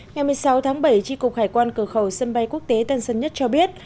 ngày một mươi sáu tháng bảy tri cục hải quan cửa khẩu sân bay quốc tế tân sơn nhất cho biết